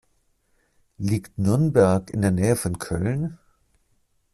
Liegt Nürnberg in der Nähe von Köln?